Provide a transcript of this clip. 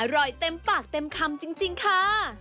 อร่อยเต็มปากเต็มคำจริงค่ะ